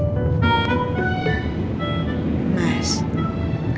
kamu itu yang terbaik buat aku